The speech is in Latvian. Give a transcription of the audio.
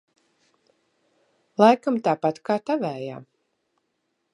Laikam tāpat kā tavējā?